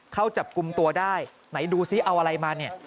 เข้าจับกลุ่มตัวได้ไหนดูซิเอาอะไรมาเนี่ย